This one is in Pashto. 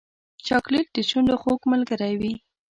چاکلېټ د شونډو خوږ ملګری وي.